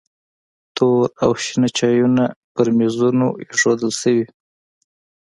تور او شنه چایونه پر میزونو ایښودل شوي وو.